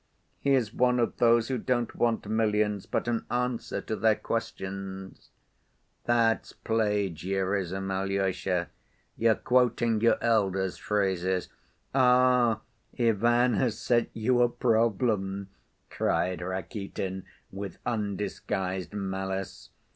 He is one of those who don't want millions, but an answer to their questions." "That's plagiarism, Alyosha. You're quoting your elder's phrases. Ah, Ivan has set you a problem!" cried Rakitin, with undisguised malice.